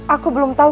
aku belum tahu